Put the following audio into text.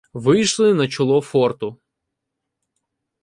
Вийшли на чоло форту.